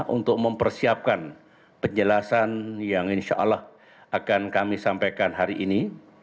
untuk mempersiapkan penjelasan yang insya allah akan kami sampaikan hari ini